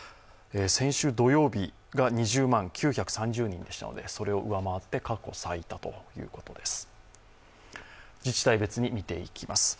先週土曜日が２０万９３０人でしたのでそれを上回って過去最多ということです。